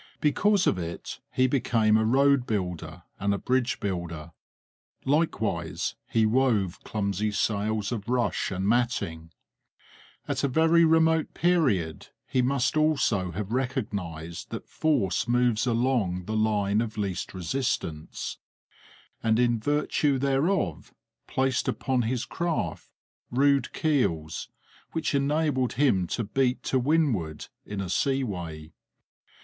Because of it he became a road builder and a bridge builder; likewise, he wove clumsy sails of rush and matting. At a very remote period he must also have recognized that force moves along the line of least resistance, and in virtue thereof, placed upon his craft rude keels which enabled him to beat to windward in a seaway.